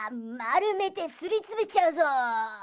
まるめてすりつぶしちゃうぞ！